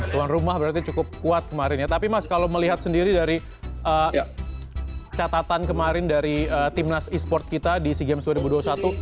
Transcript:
tuan rumah berarti cukup kuat kemarin ya tapi mas kalau melihat sendiri dari catatan kemarin dari timnas e sport kita di sea games dua ribu dua puluh satu